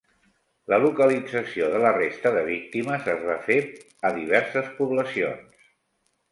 La localització de la resta de víctimes es va fer a diverses poblacions.